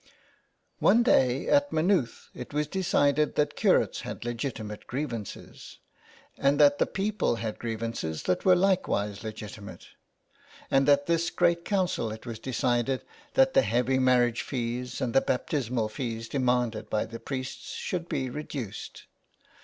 One day at Maynooth it was decided that curates had legitimate grievances, and that the people had grievances that were likewise legitimate. And at this great council it was decided that the heavy marriage fees and the baptismal fees demanded by the priests should be reduced.